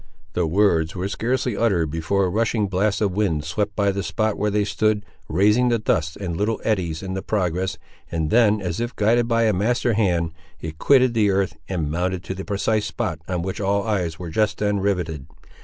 The words were scarcely uttered before a rushing blast of wind swept by the spot where they stood, raising the dust in little eddies, in its progress; and then, as if guided by a master hand, it quitted the earth, and mounted to the precise spot on which all eyes were just then riveted.